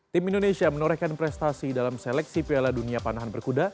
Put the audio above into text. tim indonesia menorehkan prestasi dalam seleksi piala dunia panahan berkuda